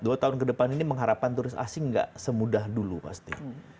dua tahun ke depan ini mengharapkan turis asing nggak semudah dulu pasti